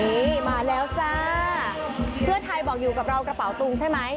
นี่มาแล้วจ้าเพื่อไทยบอกอยู่กับเรากระเป๋าตุงใช่ไหม